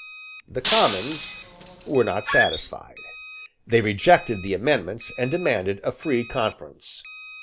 The Commons were not satisfied. They rejected the amendments, and demanded a free conference.